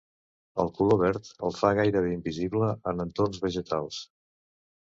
El color verd el fa gairebé invisible en entorns vegetals.